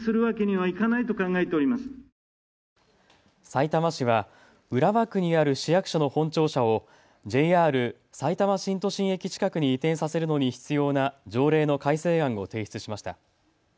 さいたま市は浦和区にある市役所の本庁舎をＪＲさいたま新都心駅近くに移転させるのに必要な条例の改正案を提出しました。